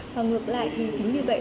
và ngược lại thì chính vì vậy